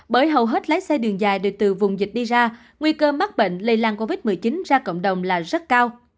bởi hầu hết lái xe đường dài được từ vùng dịch đi ra nguy cơ mắc bệnh lây lan covid một mươi chín ra cộng đồng là rất cao